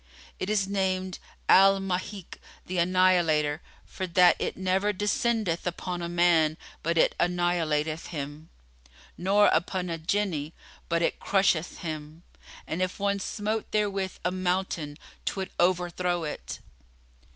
[FN#33] It is named Al Máhík the Annihilator for that it never descendeth upon a man, but it annihilateth him, nor upon a Jinni, but it crusheth him; and if one smote therewith a mountain 'twould overthrow it."